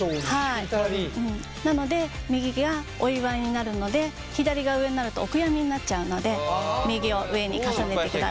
なので右がお祝いになるので左が上になるとお悔やみになっちゃうので右を上に重ねてください。